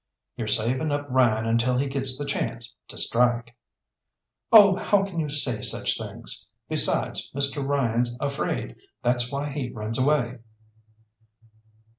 "You're saving up Ryan until he gets the chance to strike." "Oh, how can you say such things! Besides, Mr. Ryan's afraid, that's why he runs away."